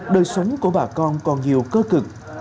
đời sống của bà con còn nhiều cơ cực